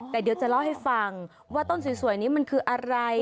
แต่เดี๋ยวจะเล่าให้ฟังว่าต้นสวยนี้มันคืออะไร